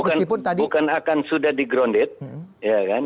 bukan akan sudah di grounded ya kan